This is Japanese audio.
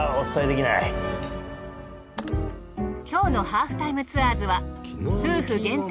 きょうの『ハーフタイムツアーズ』は夫婦限定